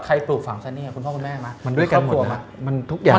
ปลูกฝังซะเนี่ยคุณพ่อคุณแม่ไหมมันด้วยกันหมดมันทุกอย่าง